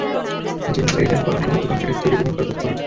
যে ম্যাটেরিয়ালের গলনাঙ্ক যত কম, সেটার থ্রিডি প্রিন্টিং করার তত সহজ।